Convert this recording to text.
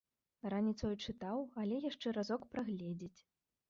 Раніцой чытаў, але яшчэ разок прагледзець.